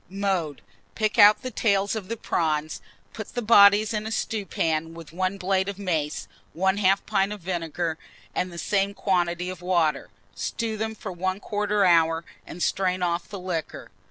Mode. Pick out the tails of the prawns, put the bodies in a stewpan with 1 blade of mace, 1/2 pint of vinegar, and the same quantity of water; stew them for 1/4 hour, and strain off the liquor.